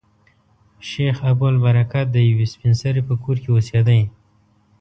شیخ ابوالبرکات د یوې سپین سري په کور کې اوسېدی.